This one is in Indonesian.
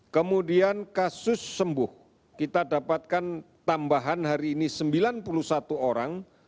kemudian kasus sembuh kita dapatkan tambahan hari ini sembilan puluh satu orang